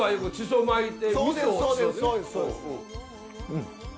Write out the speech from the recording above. うん。